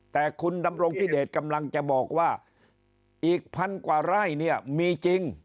แต่คุณดำรงพี่เดชน์กำลังจะบอกว่าอีก๑๐๐๐กว่าไล่มีจริง